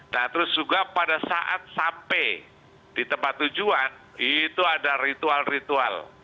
nah terus juga pada saat sampai di tempat tujuan itu ada ritual ritual